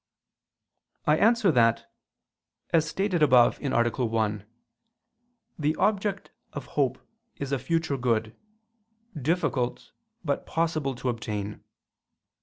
I answer that, As stated above (A. 1), the object of hope is a future good, difficult but possible to obtain.